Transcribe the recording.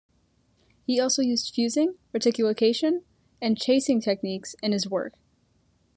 He also used fusing, reticulation and chasing techniques in his work.